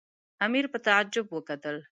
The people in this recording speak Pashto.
امیر په تعجب وکتل.